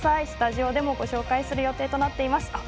スタジオでもご紹介する予定となっています。